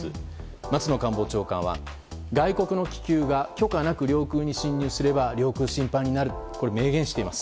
松野官房長官は、外国の気球が許可なく領空に侵入すれば領空侵犯になると明言しています。